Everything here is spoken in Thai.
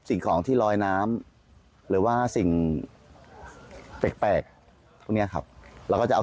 สิ่งของที่ลอยน้ำหรือว่าสิ่งแปลกแปลกพวกเนี้ยครับเราก็จะเอา